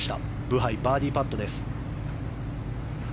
ブハイ、バーディーパットです。